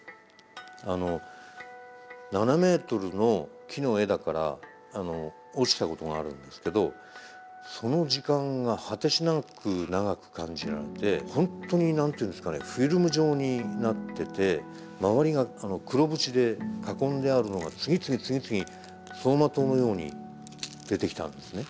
あの７メートルの木の枝から落ちたことがあるんですけどその時間が果てしなく長く感じられてほんとに何ていうんですかねフィルム状になってて周りが黒縁で囲んであるのが次々次々走馬灯のように出てきたんですね。